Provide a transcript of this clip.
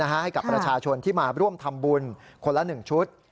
ให้กับประชาชนที่มาร่วมทำบุญคนละ๑ชุด